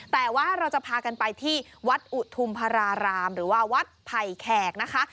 แต่ว่าเราจะพากันไปที่วัดอุทุมพรารามหรือว่าวัดไผ่แขกนะคะ